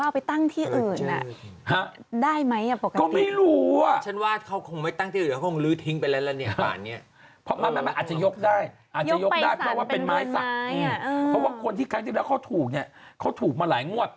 เพราะว่าคนที่ครั้งที่แล้วเขาถูกเนี่ยเขาถูกมาหลายงวด